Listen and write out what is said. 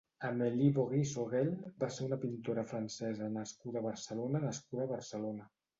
Amélie Beaury-Saurel va ser una pintora francesa nascuda a Barcelona nascuda a Barcelona.